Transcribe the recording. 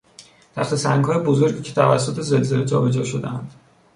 تخته سنگهای بزرگی که توسط زلزله جا به جا شدهاند